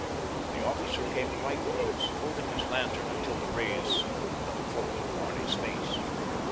The officer came quite close, holding his lantern until the rays fell full in Barney's face.